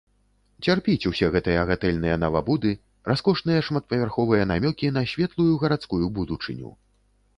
Цярпіць усе гэтыя гатэльныя навабуды, раскошныя шматпавярховыя намёкі на светлую гарадскую будучыню.